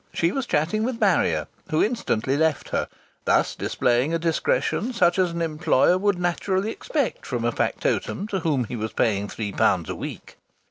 She was chatting with Marrier, who instantly left her, thus displaying a discretion such as an employer would naturally expect from a factotum to whom he was paying three pounds a week.